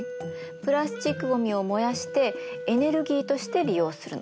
プラスチックごみを燃やしてエネルギーとして利用するの。